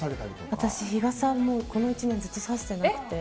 私、日傘この１年ずっとさしてなくて。